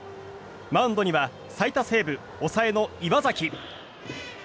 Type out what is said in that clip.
マウンドには最多セーブ抑えの岩崎。